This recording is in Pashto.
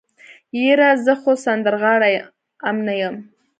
يره زه خو سندرغاړی ام نه يم.